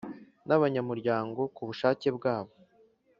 N abanyamuryango kubushake bwabo